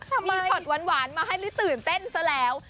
ทำไมมีช็อตหวานมาให้ตื่นเต้นซะแล้ว